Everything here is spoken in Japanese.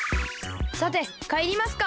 さてかえりますか。